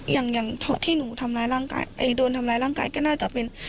อย่างที่หนูทำร้ายร่างกายโดนทำร้ายร่างกายก็น่าจะเป็น